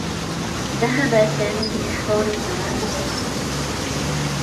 ذهب سامي لإحضار الدّواء بسرعة.